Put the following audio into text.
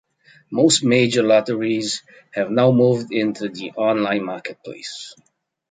Most major Lotteries have now moved into the online marketplace.